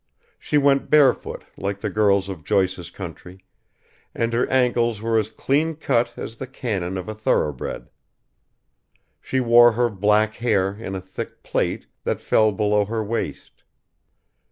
She went barefoot like the girls of Joyce's Country, and her ankles were as clean cut as the cannon of a thoroughbred. She wore her black hair in a thick plait that fell below her waist.